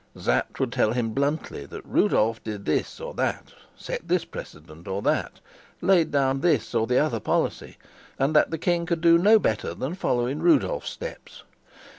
Sapt would tell him bluntly that Rudolf did this or that, set this precedent or that, laid down this or the other policy, and that the king could do no better than follow in Rudolf's steps.